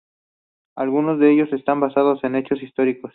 Algunos de ellos están basados en hechos históricos.